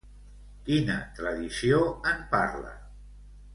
Quina tradició en parla?